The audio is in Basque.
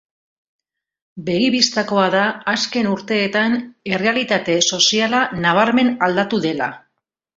Begi bistakoa da azken urteetan errealitate soziala nabarmen aldatu dela.